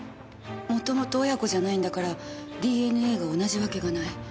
元々親子じゃないんだからＤＮＡが同じわけがない。